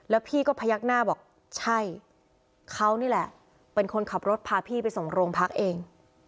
แล้วพี่ก็พยักหน้าบอกใช่เขานี่แหละเป็นคนขับรถพาพี่ไปส่งโรงพักเอง